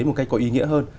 một cách có ý nghĩa hơn